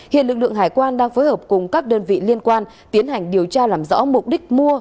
hiện lực lượng hải quan đang phối hợp cùng các đơn vị liên quan tiến hành điều tra làm rõ mục đích mua